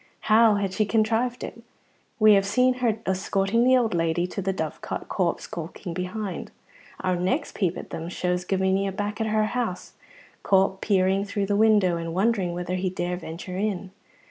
How had she contrived it? We have seen her escorting the old lady to the Dovecot, Corp skulking behind. Our next peep at them shows Gavinia back at her house, Corp peering through the window and wondering whether he dare venture in.